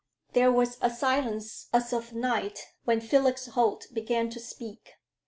There was a silence as of night when Felix Holt began to speak.